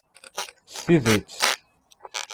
S tidett?